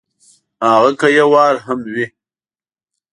هغه که یو وار هم وي !